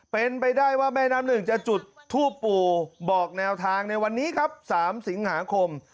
เป็นไปได้ว่าแม่น้ำหนึ่งจะจุดทูปปู่บอกแนวทางในวันนี้ครับ๓สิงหาคม